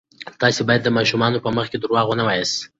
تاسې باید د ماشومانو په مخ کې درواغ ونه وایاست.